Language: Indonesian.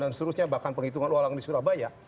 dan seterusnya bahkan penghitungan orang di surabaya